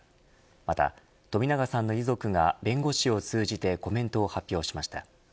また、冨永さんの遺族が弁護士を通じてコメントを発表しました。